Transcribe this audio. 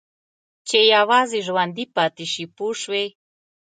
چې یوازې ژوندي پاتې شي پوه شوې!.